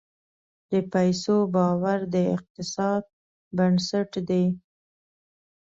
د پیسو باور د اقتصاد بنسټ دی.